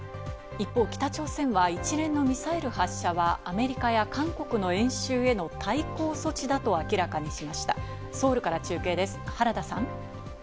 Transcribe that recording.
一方、北朝鮮は一連のミサイル発射はアメリカや韓国の演習への対抗措置だと明らかにしました。